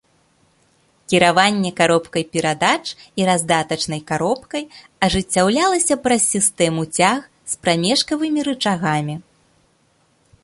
Кіраванне каробкай перадач і раздатачнай каробкай ажыццяўлялася праз сістэму цяг з прамежкавымі рычагамі.